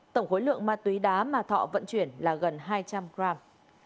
tổng khối lượng ma túy đá mà thọ vận chuyển là gần hai trăm linh gram